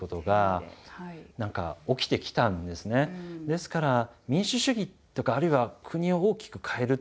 ですから民主主義とかあるいは国を大きく変える